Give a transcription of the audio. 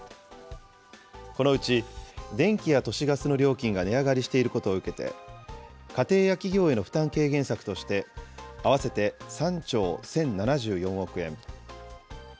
このうち、電気や都市ガスの料金が値上がりしていることを受けて、家庭や企業への負担軽減策として、合わせて３兆１０７４億円。